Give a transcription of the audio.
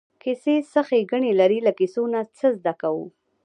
کیسې څه ښېګڼې لري له کیسو نه څه زده کوو.